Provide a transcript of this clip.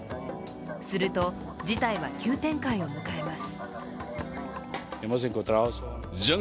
すると、事態は急展開を迎えます。